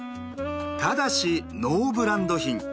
ただしノーブランド品。